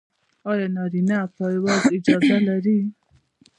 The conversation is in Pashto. ایا نارینه پایواز اجازه لري؟